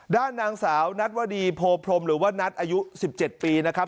ด้านนางสาวนัทวดีโพพรมหรือว่านัทอายุ๑๗ปีนะครับ